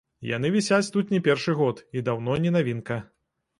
Яны вісяць тут не першы год і даўно не навінка.